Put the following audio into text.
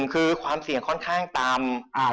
คือความเสี่ยงค่อนข้างต่ำ